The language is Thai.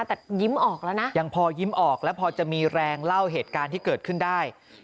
แต่ยิ้มออกแล้วนะยังพอยิ้มออกแล้วพอจะมีแรงเล่าเหตุการณ์ที่เกิดขึ้นได้